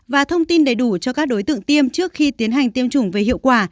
và thông tin đầy đủ cho các đối tượng tiêm trước khi tiến hành tiêm chủng về hiệu quả